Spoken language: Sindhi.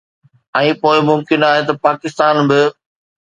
۽ پوءِ ممڪن آهي ته پاڪستان به